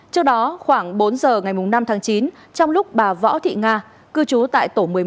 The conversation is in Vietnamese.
trước đó khoảng bốn giờ ngày năm tháng chín trong lúc bà võ thị nga cư trú tại tổ một mươi một